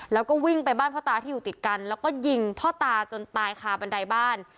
แล้วก็วิ่งไปบ้านพ่อตาที่อยู่ติดกันแล้วก็ยิงพ่อตาจนตายคาบันไดบ้าน